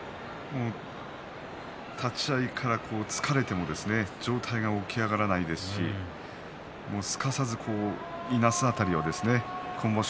立ち合いから突かれても上体が起き上がらないですしすかさず、いなす辺りは今場所